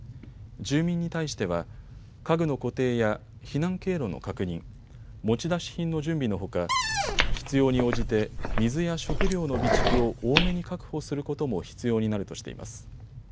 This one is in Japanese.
住民に対しては家具の固定や避難経路の確認、持ち出し品の準備のほか必要に応じて水や食料の備蓄を多めに確保することも必要になるとしています。